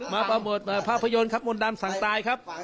มาประภาพยนตร์ครับมนต์ดำสั่งตายครับ